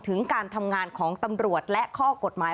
ถึงการทำงานของตำรวจและข้อกฎหมาย